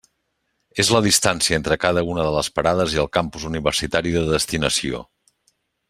És la distància entre cada una de les parades i el campus universitari de destinació.